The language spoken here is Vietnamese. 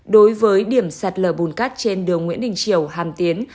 đối với điểm sạt lở bùn cát trên đường nguyễn đình triều hàm tiến